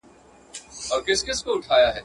د دې نوي کفن کښ نوې نخره وه.